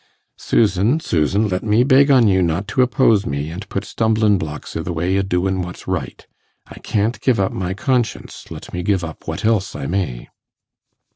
'Susan, Susan, let me beg on you not to oppose me, and put stumblin' blocks i' the way o' doing' what's right. I can't give up my conscience, let me give up what else I may.